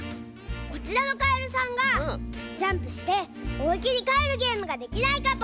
こちらのかえるさんがジャンプしておいけにかえるゲームができないかと！